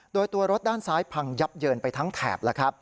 โดยตัวรถด้านซ้ายพังยับเยินไปทั้งแถบแล้วครับ